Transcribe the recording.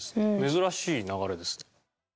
珍しい流れですね。